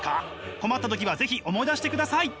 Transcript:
困った時は是非思い出してください！